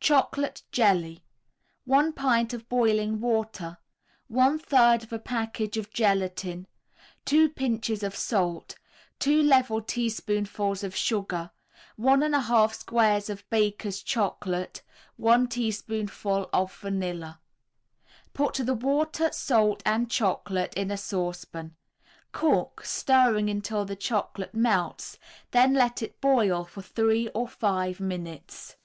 CHOCOLATE JELLY 1 pint of boiling water, 1/3 a package of gelatine, 2 pinches of salt, 2 level tablespoonfuls of sugar, 1 1/2 squares of Baker's Chocolate, 1 teaspoonful of vanilla. Put the water, salt and chocolate in a saucepan. Cook, stirring until the chocolate melts, then let it boil for three or five minutes.